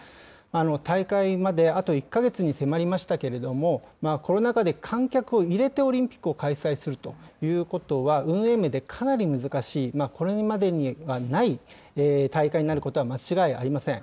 大会まであと１か月に迫りましたけれども、コロナ禍で観客を入れてオリンピックを開催するということは、運営面でかなり難しい、これまでにはない大会になることは間違いありません。